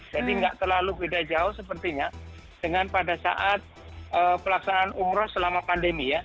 jadi tidak terlalu beda jauh sepertinya dengan pada saat pelaksanaan umroh selama pandemi ya